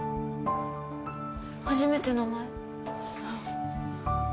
初めて名前。